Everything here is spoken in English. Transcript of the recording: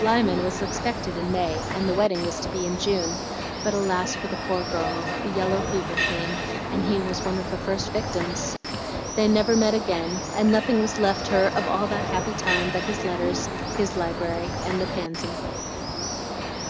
Lyman was expected in May, and the wedding was to be in June; but, alas for the poor girl! the yellow fever came, and he was one of the first victims. They never met again, and nothing was left her of all that happy time but his letters, his library, and the pansy."